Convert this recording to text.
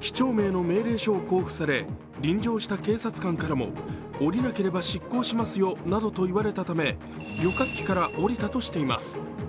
機長名の命令書を交付され、臨場した警察官からも降りなければ執行しますよなどと言われたため、旅客機から降りたとしています。